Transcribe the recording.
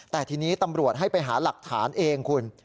แต่ทีนี้ตำรวจให้ไปหาหลักฐานเองคุณ